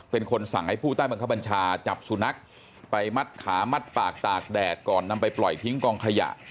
เป็นคนสั่งให้ผู้ใต้บังคับบัญชาจับสุนัขไปมัดขามัดปากตากแดดก่อนนำไปปล่อยทิ้งกองขยะ